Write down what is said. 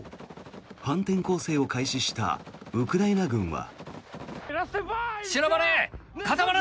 反転攻勢を開始したウクライナ軍は。